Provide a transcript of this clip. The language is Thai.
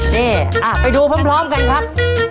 นี่ไปดูพร้อมกันครับ